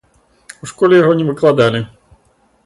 У школе яго не выкладалі.